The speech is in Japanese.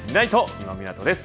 今湊です。